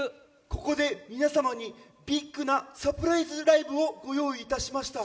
ここで皆様にビッグなサプライズライブをご用意いたしました